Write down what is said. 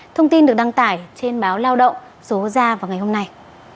thông tin được đăng tải trên báo lao động số ra vào ngày hôm nay